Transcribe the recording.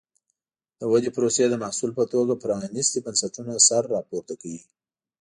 د ودې پروسې د محصول په توګه پرانیستي بنسټونه سر راپورته کوي.